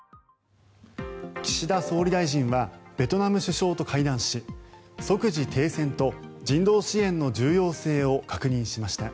岸田総理大臣はベトナム首相と会談し即時停戦と人道支援の重要性を確認しました。